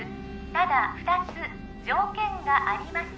ただ二つ条件があります